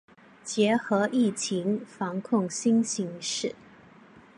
结合疫情防控新形势